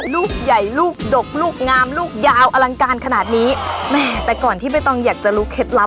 ลูกใหญ่ลูกดกลูกงามลูกยาวอลังการขนาดนี้แม่แต่ก่อนที่ใบตองอยากจะรู้เคล็ดลับ